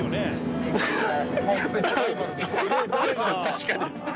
確かに！